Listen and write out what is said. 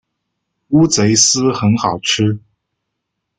乌贼丝很好吃